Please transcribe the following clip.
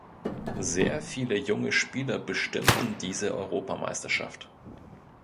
Sehr viele junge Spieler bestimmten diese Europameisterschaft.